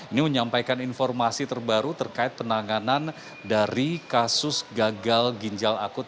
ini menyampaikan informasi terbaru terkait penanganan dari kasus gagal ginjal akut